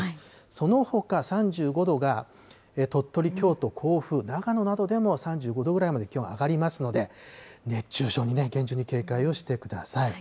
そのほか３５度が鳥取、京都、甲府などでも３５度ぐらいまで気温上がりますので、熱中症に厳重に警戒をしてください。